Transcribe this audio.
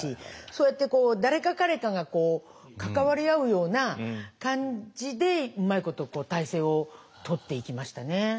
そうやって誰か彼かがこう関わり合うような感じでうまいこと態勢をとっていきましたね。